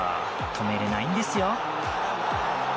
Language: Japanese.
止めれないんですよ。